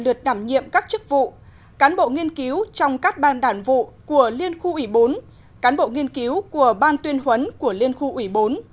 cảnh lược đảm nhiệm các chức vụ cán bộ nghiên cứu trong các ban đảng vụ của liên khu ủy bốn cán bộ nghiên cứu của ban tuyên huấn của liên khu ủy bốn